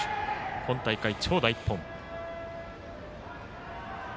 今大会、長打１本。